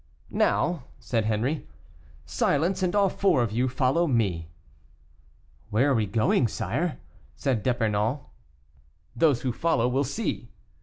"Now," said Henri, "silence, and all four of you follow me." "Where are we going, sire?" said D'Epernon. "Those who follow will see."